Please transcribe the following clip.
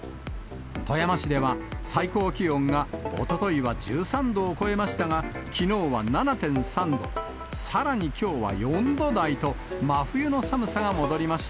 富山市では、最高気温がおとといは１３度を超えましたが、きのうは７．３度、さらにきょうは４度台と、真冬の寒さが戻りました。